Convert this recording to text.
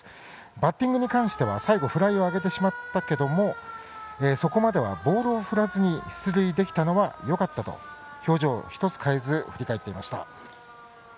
バッティングに関しては最後フライを上げてしまったけどもそこまではボールを振らずに出塁できたのはよかったと表情一つ変えず振り返っていました。